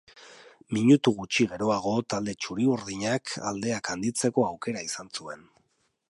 Minutu gutxi geroago talde txuri-urdinak aldeak handitzeko aukera izan zuen.